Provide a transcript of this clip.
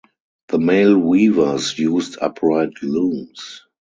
The male weavers used upright looms.